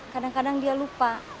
kadang kadang dia lupa